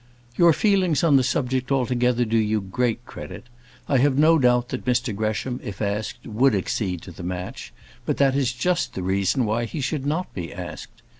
Your feelings on the subject altogether do you great credit. I have no doubt that Mr Gresham, if asked, would accede to the match; but that is just the reason why he should not be asked.